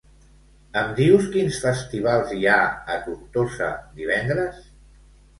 Em dius quins festivals hi ha a Tortosa divendres?